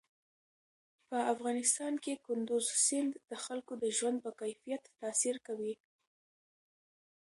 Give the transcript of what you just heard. په افغانستان کې کندز سیند د خلکو د ژوند په کیفیت تاثیر کوي.